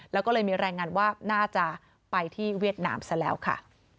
แล้วก็เลยมีรายงานว่าน่าจะไปที่เวียดนามซะแล้วค่ะ